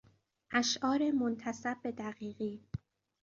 اشعار منتسب به دقیقی